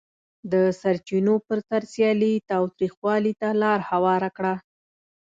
د سرچینو پر سر سیالي تاوتریخوالي ته لار هواره کړه.